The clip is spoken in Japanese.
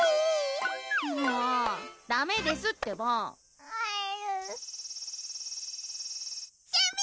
もうダメですってばえる？しぇみ！